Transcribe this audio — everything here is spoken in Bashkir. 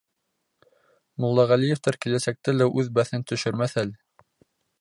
Муллағәлиевтәр киләсәктә лә үҙ бәҫен төшөрмәҫ әле...